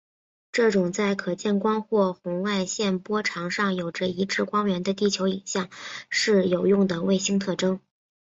这种在可见光或红外线波长上有着一致光源的地球影像是有用的卫星特征。